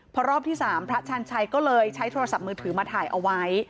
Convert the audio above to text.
พอรอบที่๓พระชาญชัยก็เลยใช้โทรศัพท์มือถือมาถ่ายเอาไว้